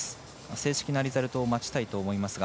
正式なリザルトを待ちたいと思いますが。